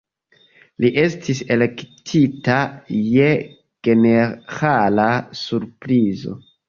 Li estis elektita je ĝenerala surprizo.